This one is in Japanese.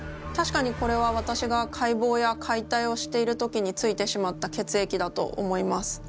たしかにこれは私が解剖や解体をしている時についてしまった血液だと思います。